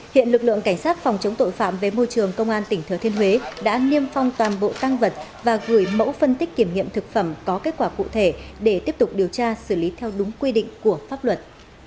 hiện lực lượng cảnh sát phòng chống tội phạm về môi trường công an tỉnh thừa thiên huế đã niêm phong toàn bộ tăng vật và gửi mẫu phân tích kiểm nghiệm thực phẩm có kết quả cụ thể để tiếp tục điều tra xử lý theo đúng quy định của pháp luật